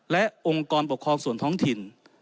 และองค์กรปกครองส่วนท้องถิ่น